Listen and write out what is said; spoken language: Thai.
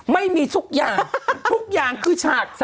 ไม่มีทุกอย่างทุกอย่างคือฉาก